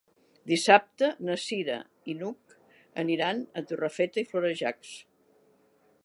Dissabte na Cira i n'Hug aniran a Torrefeta i Florejacs.